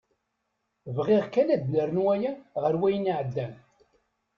Bɣiɣ kan ad nernu aya ɣer wayen iεeddan.